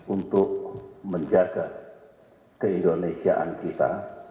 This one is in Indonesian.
untuk menjaga keindonesiaan kita